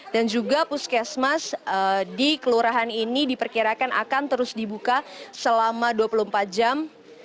dan juga puskesmas di kelurahan ini diperkirakan akan terus dibuka selama dua puluh empat jam